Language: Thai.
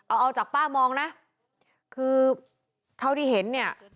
เอาเอาจากป้ามองนะคือเท่าที่เห็นเนี่ย